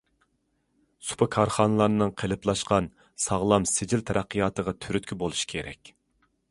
سۇپا كارخانىلىرىنىڭ قېلىپلاشقان، ساغلام، سىجىل تەرەققىياتىغا تۈرتكە بولۇش كېرەك.